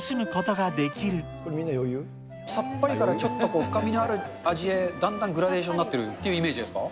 さっぱりからちょっと深みのある味へ、だんだんグラデーションになっているというイメージですか？